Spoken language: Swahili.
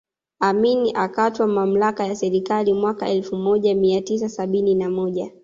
Amin akatwaa mamlaka ya serikali mwaka elfu moja mia tisa sabini na moja